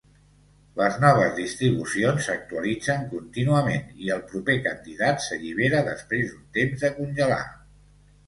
Les noves distribucions s'actualitzen contínuament i el proper candidat s'allibera després d'un temps de congelar.